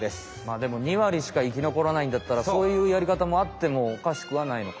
でも２割しか生き残らないんだったらそういうやりかたもあってもおかしくはないのか。